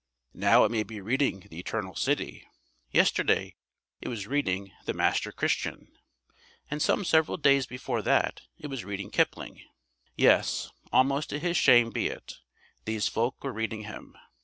Now it may be reading The Eternal City. Yesterday it was reading The Master Christian, and some several days before that it was reading Kipling. Yes, almost to his shame be it, these folk were reading him.